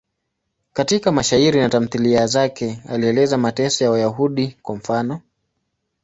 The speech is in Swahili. Katika mashairi na tamthiliya zake alieleza mateso ya Wayahudi, kwa mfano.